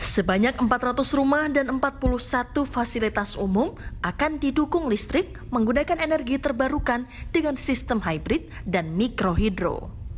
sebanyak empat ratus rumah dan empat puluh satu fasilitas umum akan didukung listrik menggunakan energi terbarukan dengan sistem hybrid dan mikrohidro